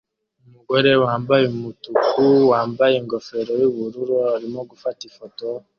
Umugore wambaye umutuku wambaye ingofero yubururu arimo gufata ifoto hanze